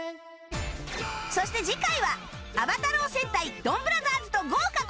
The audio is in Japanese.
そして次回は『暴太郎戦隊ドンブラザーズ』と豪華コラボ！